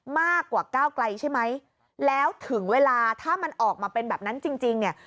มากกว่าก้าวไกลใช่ไหมแล้วถึงเวลาถ้ามันออกมาเป็นแบบนั้นจริงจริงเนี่ย